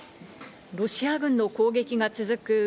ロシア軍の攻撃が続く